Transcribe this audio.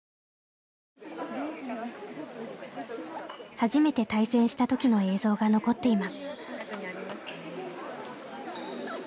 初めて対戦した時の映像が残っています。